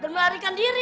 dan melarikan diri